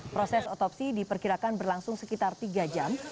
proses otopsi diperkirakan berlangsung sekitar tiga jam